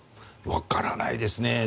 わからないですね。